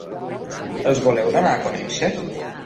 Els voleu donar a conèixer?